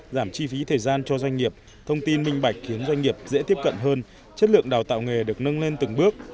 giảm chi phí thời gian cho doanh nghiệp thông tin minh bạch khiến doanh nghiệp dễ tiếp cận hơn chất lượng đào tạo nghề được nâng lên từng bước